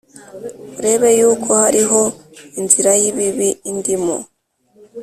Urebe yuko hariho inzira y ibibi indimo